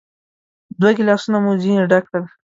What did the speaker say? دوه ګیلاسونه مو ځینې ډک کړل.